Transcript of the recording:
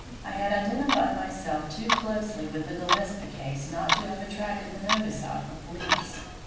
I had identified myself too closely with the Gillespie case not to have attracted the notice of the police.